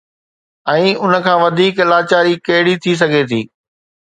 ۽ ان کان وڌيڪ لاچاري ڪهڙي ٿي سگهي ٿي؟